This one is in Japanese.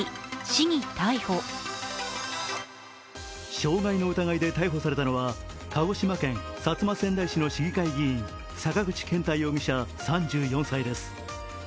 傷害の疑いで逮捕されたのは鹿児島県薩摩川内市の市議会議員、坂口健太容疑者３４歳です。